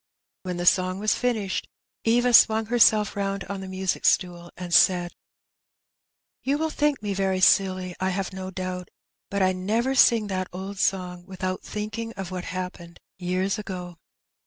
When the song was finished, Eva swung herself round on the music stool, and said — *'You will think me very silly, I have no doubt, but I never sing that old song without thinking of what happened years ago.''